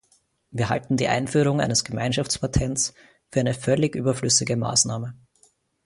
Wir halten die Einführung eines Gemeinschaftspatents für eine völlig überflüssige Maßnahme.